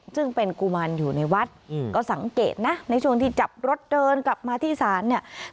ซึ่งเป็นกุมารอยู่ในวัดก็สังเกตนะในช่วงที่จับรถเดินกลับมาที่ศาลเนี่ย